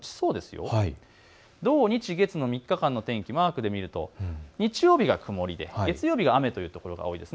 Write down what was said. ３日間の天気、マークで見ると日曜日が曇りで月曜日、雨というところが多いです。